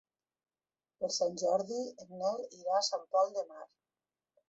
Per Sant Jordi en Nel irà a Sant Pol de Mar.